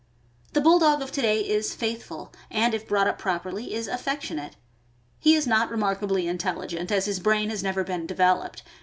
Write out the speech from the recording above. The Bulldog of to day is faithful, and if brought up properly is affectionate. He is not remarkably intelligent, as his brain has never been developed.